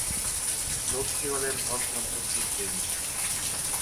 লক্ষ্মী হলেন ধন সম্পত্তির দেবী।